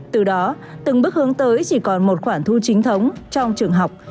từ đó từng bước hướng tới chỉ còn một khoản thu chính thống trong trường học